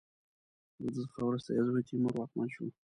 له ده څخه وروسته یې زوی تیمور واکمن شو.